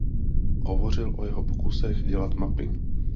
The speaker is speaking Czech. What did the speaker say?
Hovořil o jeho pokusech dělat mapy.